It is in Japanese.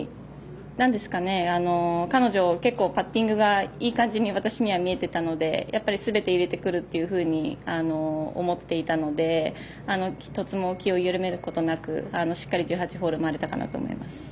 彼女、パッティングが私にはいい感じに見えていたのでやっぱり、すべて入れてくるというふうに思っていたので１つも気を緩めることなくしっかり１８ホール回れたと思います。